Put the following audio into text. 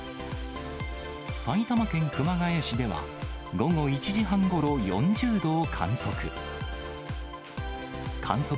埼玉県熊谷市では、午後１時半ごろ、４０度を観測。